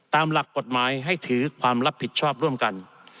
ตามหลักกฎหมายให้ถือความรับผิดชอบร่วมกัน